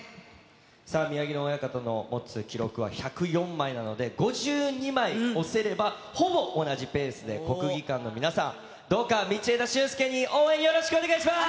さあ、宮城野親方の持つ記録は１０４枚なので、５２枚押せれば、ほぼ同じペースで国技館の皆さん、どうか道枝駿佑に応援よろしくお願いします。